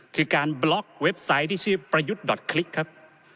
คือการบล็อกเว็บไซต์ที่ชื่อประยุทธ์ดอตคลิกครับ